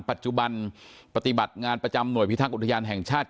ปัจจุบันปฏิบัติงานประจำหน่วยพิทักษ์อุทยานแห่งชาติ